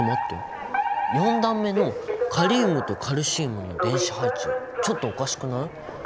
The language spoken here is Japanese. ４段目のカリウムとカルシウムの電子配置ちょっとおかしくない？